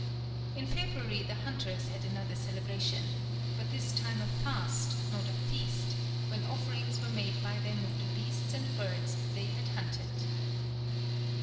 In February the hunters had another celebration, but this time a fast, not a feast, when offerings were made by them of the beasts and birds that they had hunted.